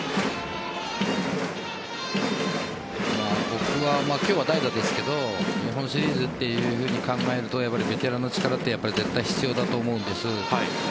僕は、今日は代打ですが日本シリーズというふうに考えるとベテランの力は絶対必要だと思うんです。